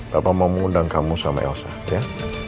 bapak mau mengundang kamu sama elsa ya